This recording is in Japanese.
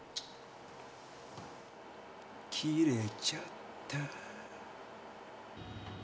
切れちゃった。